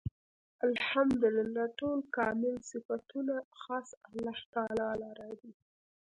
الحمد لله . ټول کامل صفتونه خاص الله تعالی لره دی